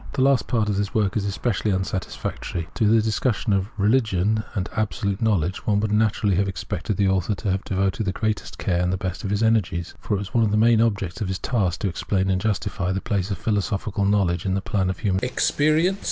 The last part of the work is especially unsatis factory. To the discussion of " Religion " and " Abso lute Knowledge," one would naturally have expected the author to have devoted the greatest care and the best of his energies. For it was one of the main objects of his task to explain and justify the place of Philoso phical Knowledge in the plan of human experience.